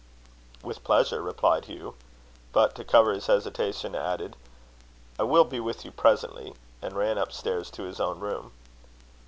"With pleasure," replied Hugh; but, to cover his hesitation, added, "I will be with you presently;" and ran up stairs to his own room.